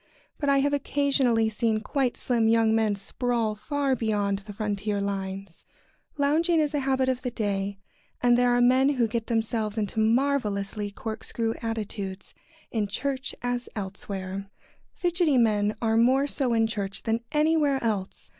But I have occasionally seen quite slim young men sprawl far beyond the frontier lines. [Sidenote: Lounging.] Lounging is a habit of the day, and there are men who get themselves into marvellously corkscrew attitudes, in church as elsewhere. [Sidenote: Fidgety men.] Fidgety men are more so in church than anywhere else.